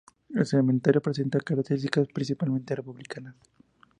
El Cementerio presenta características principalmente republicanas.